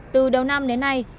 từ đầu năm đến nay